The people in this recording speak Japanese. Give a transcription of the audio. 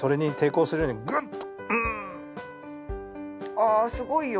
ああすごいよ